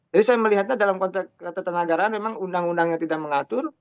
jadi saya melihatnya dalam konteks ketatanegaraan memang undang undangnya tidak mengatur